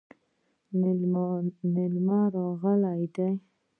مېلمانه راغلي دي